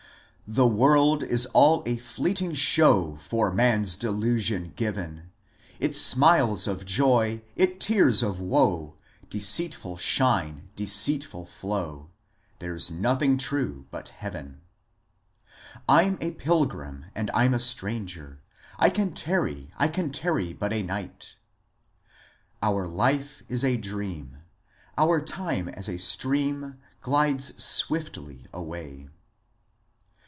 The world is all a fleeting show For man's delusion given : Its smiles of joy, its tears of woe, Deoeitf nl shine, deoeitfol flow, There 's nothing tme bat heaven. I 'm a pilgrim, and I 'm a stranger, I can tarry, I can tarry bat a night Oar life is a dream ; Oar time as a stream Glides swiftly away.